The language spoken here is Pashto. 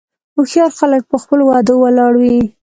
هوښیار خلک په خپلو وعدو ولاړ وي.